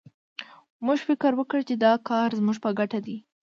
موږ فکر وکړ چې دا کار زموږ په ګټه دی